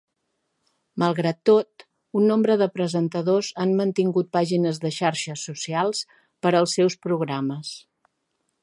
Malgrat tot, un nombre de presentadors han mantingut pàgines de xarxes socials per als seus programes.